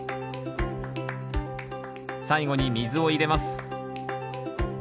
最後に水を入れます。